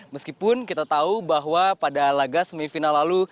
meskipun kita tahu bahwa pada laga semifinal lalu